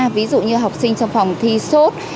ví dụ như học sinh trong phòng thi sốt